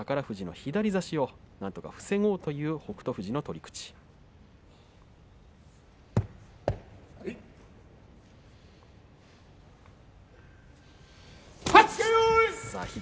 富士、左差しをなんとか防ごうという北勝富士の取り口です。